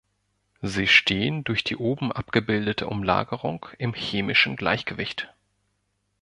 Sie stehen durch die oben abgebildete Umlagerung im chemischen Gleichgewicht.